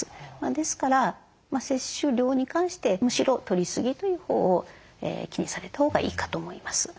ですから摂取量に関してむしろとりすぎというほうを気にされたほうがいいかと思います。